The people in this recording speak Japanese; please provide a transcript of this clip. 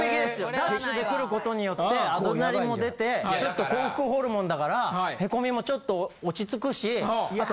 ダッシュで来ることによってアドレナリンも出てちょっと幸福ホルモンだからヘコミもちょっと落ち着くしあと。